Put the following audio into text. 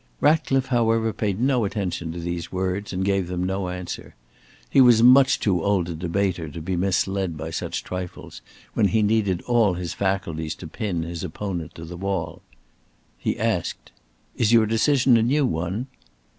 Ratcliffe, however, paid no attention to these words, and gave them no answer. He was much too old a debater to be misled by such trifles, when he needed all his faculties to pin his opponent to the wall. He asked: "Is your decision a new one?"